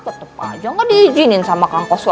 tetep aja ga diijinin sama kang kosu